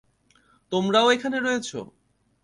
তোমরাও এখানে রয়েছ?